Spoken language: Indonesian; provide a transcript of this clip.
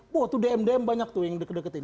wah tuh dm dm banyak tuh yang deket deketin